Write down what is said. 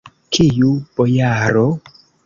Kiu bojaro?